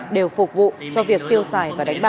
đều phục vụ cho việc tiêu xài và đánh bạc